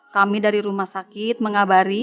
kami dari rumah sakit mengabari